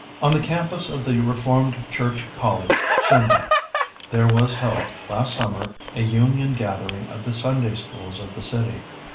On the Campus of the Reformed Church College, Sendai, there was held last summer a union gathering of the Sunday Schools of the city.